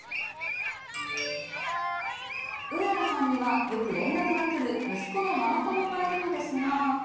ウーラーさんにはよく連絡がくる息子のママ友がいるのですが。